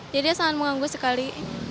jadi sangat mengganggu sekali